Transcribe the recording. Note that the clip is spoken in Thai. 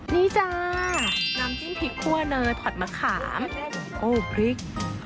นี่จ้าน้ำจิ้มพริกคั่วเนยผัดมะขามโอ้พริก